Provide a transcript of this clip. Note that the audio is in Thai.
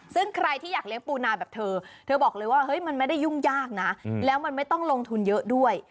ซึ่งใครที่อยากเลี้ยงปูนาแบบเธอเธอบอกเลยว่าเฮ้ยมันไม่ได้ยุ่งยากนะแล้วมันไม่ต้องลงทุนเยอะด้วย